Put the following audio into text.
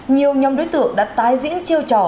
nhiều nhóm đối tượng đã tái diễn chiêu trò